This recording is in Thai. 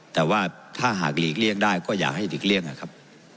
แต่ว่าถ้าหากหลีกเลี่ยงได้ก็อยากให้หลีกเลี่ยงนะครับ